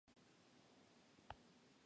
Fue sepultado en Siria.